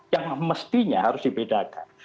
yang mestinya harus dibedakan